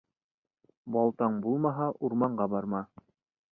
Балтаң булмаһа, урманға барма.